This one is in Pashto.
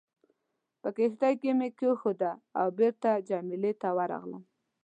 په کښتۍ کې مې کېښوده او بېرته جميله ته ورغلم.